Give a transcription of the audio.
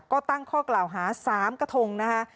ก็ตั้งข้อกล่าวหา๓กระทงนะคะ